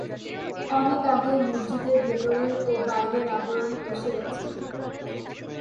অনেক আগেই মসজিদের ভেতরের ও বাইরের আবরণ খসে গেছে।